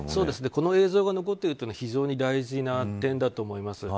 この映像が残っているのは非常に大事な点だと思います。